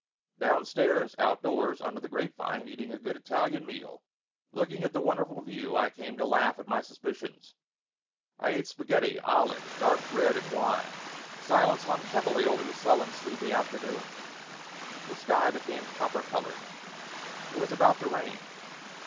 Downstairs, outdoors, under the grapevine, eating a good Italian meal, looking at the wonderful view, I came to laugh at my suspicions. I ate spaghetti, olives, dark bread and wine. Silence hung heavily over the sullen sleepy afternoon. The sky became copper colored. It was about to rain.